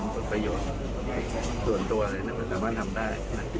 มันก็ประโยชน์ส่วนตัวเลยมันสามารถทำได้